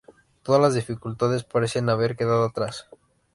Todas las dificultades parecen haber quedado atrás.